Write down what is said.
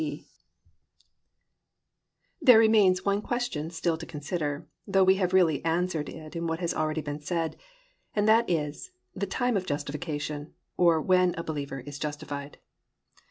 IV. THE TIME OF JUSTIFICATION There remains one question still to consider, though we have really answered it in what has already been said, and that is, the time of justification, or when a believer is justified.